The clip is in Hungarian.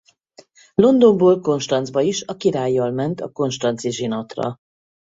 Londonból Konstanzba is a királlyal ment a konstanzi zsinatra.